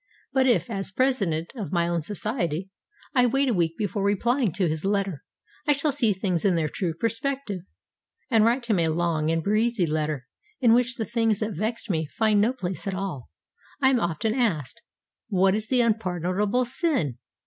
But if, as president of my own society, I wait a week before replying to his letter, I shall see things in their true perspective, and write him a long and breezy letter in which the things that vexed me find no place at all. I am often asked, What is the unpardonable sin?